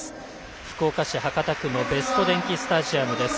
福岡市博多区のベスト電器スタジアムです。